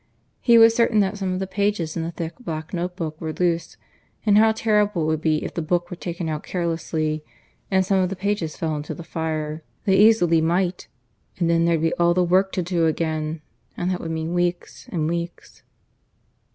He was certain that some of the pages in the thick black notebook were loose; and how terrible it would be if the book were taken out carelessly, and some of the pages fell into the fire. They easily might! And then there'd be all the work to do again. ... And that would mean weeks and weeks.